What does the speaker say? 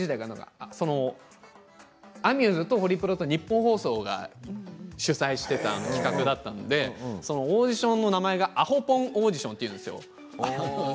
この機械自体はアミューズとホリプロとニッポン放送が主催している企画だったのでオーディションの名前がアホポンオーディションっていうんですよ。